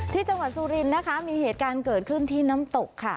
ที่จังหวัดสุรินทร์นะคะมีเหตุการณ์เกิดขึ้นที่น้ำตกค่ะ